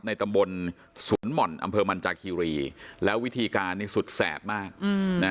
ในตำบลสวนหม่อนอำเภอมันจากคีรีแล้ววิธีการนี้สุดแสบมาก